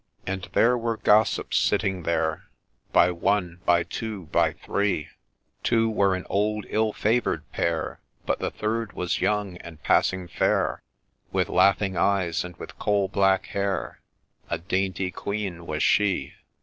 And there were gossips sitting there, By one, by two, by three : Two were an old ill favour'd pair : But the third was young, and passing fair, With laughing eyes, and with coal black hair ; A daintie quean was she